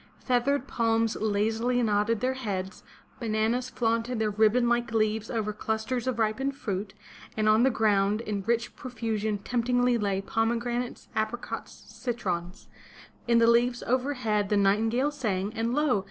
Feathered palms lazily nodded their heads, bananas flaunted their ribbon like leaves over clusters of ripened fruit, and on the ground in rich profusion temptingly lay pomegranates, apricots, citrons. In the leaves overhead the nightingale sang, and lo!